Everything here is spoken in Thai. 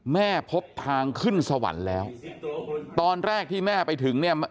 พบทางขึ้นสวรรค์แล้วตอนแรกที่แม่ไปถึงเนี่ย